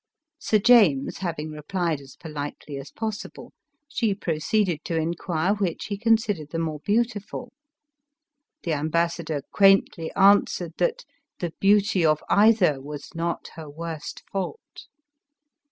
Sir James having replied as politely as possible, she proceeded to inquire which he considered the more beautiful? The ambassador quaintly answered that the beauty of either was not her worst fault.